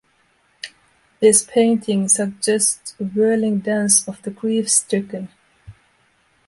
This painting suggests a whirling dance of the grief-stricken.